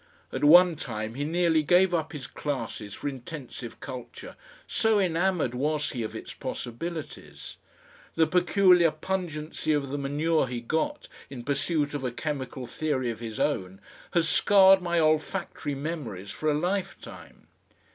At one time he nearly gave up his classes for intensive culture, so enamoured was he of its possibilities; the peculiar pungency of the manure he got, in pursuit of a chemical theory of his own, has scarred my olfactory memories for a lifetime.